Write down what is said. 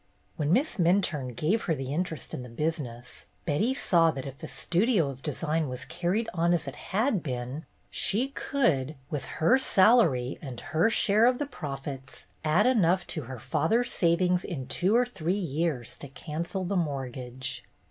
When Miss Minturne gave her the interest in the business, Betty saw that if the Studio of Design was carried on as it had been, she could, with her salary and her share of the profits, add enough to her father's savings in two or three years to cancel the mortgage.